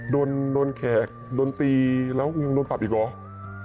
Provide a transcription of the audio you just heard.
โดนโดนแขกโดนตีแล้วยังโดนผับอีกเหรอ